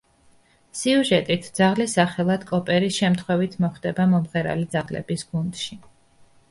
სიუჟეტით, ძაღლი სახელად კოპერი შემთხვევით მოხვდება მომღერალი ძაღლების გუნდში.